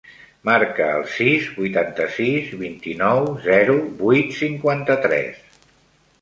Marca el sis, vuitanta-sis, vint-i-nou, zero, vuit, cinquanta-tres.